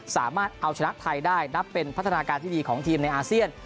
สามารถเอาชนะไทยได้นับเป็นพัฒนาการที่ดีของทีมในอาเซียน